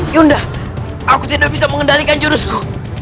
yunda aku tidak bisa mengendalikan jurusku